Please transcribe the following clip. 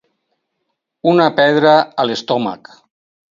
Una pedra a l'estómac.